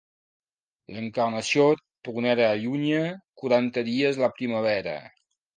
L'Encarnació tronera allunya quaranta dies la primavera.